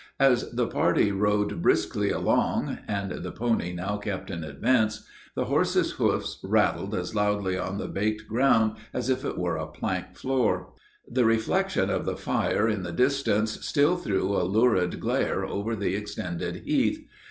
As the party rode briskly along, (and the pony now kept in advance,) the horses' hoofs rattled as loudly on the baked ground as if it were a plank floor. The reflection of the fire in the distance still threw a lurid glare over the extended heath.